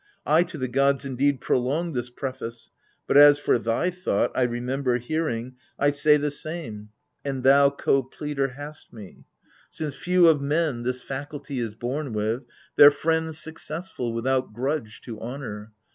I to the gods indeed prolonged this preface ; But — as for thy thought, I remember hearing — I say the same, and thou co pleader hast me. F 2 68 AGAMEMNON. Since few of men this faculty is bom with — Their friend, successful, without grudge to honor.